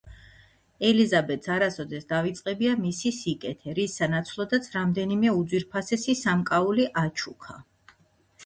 ელიზაბეთს არასოდეს დავიწყებია მისი სიკეთე, რის სანაცვლოდაც რამდენიმე უძვირფასესი სამკაული აჩუქა.